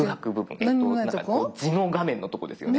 地の画面のとこですよね。